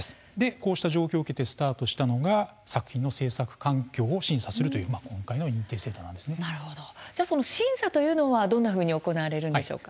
こうした状況を受けてスタートしたのが作品の制作環境を審査するという審査というのはどういうふうに行われるのでしょうか。